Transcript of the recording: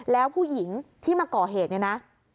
แล้วผู้หญิงที่มาก่อเหตุเนี่ยนะ